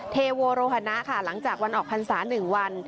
เทโวโรฮนะค่ะหลังจากวันออกพรรษา๑วัน